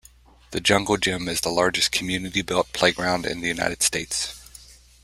The Jungle Gym is the largest community-built playground in the United States.